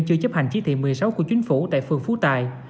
chưa chấp hành chỉ thị một mươi sáu của chính phủ tại phường phú tài